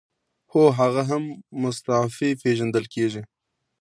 هو هغه هم مستعفي پیژندل کیږي.